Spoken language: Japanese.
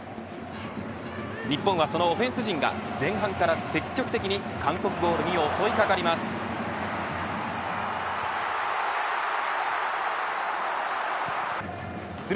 日本は、そのオフェンス陣が前半から積極的に韓国ゴールに襲いかかります。